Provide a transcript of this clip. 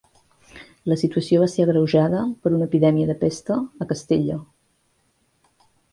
La situació va ser agreujada per una epidèmia de pesta a Castella.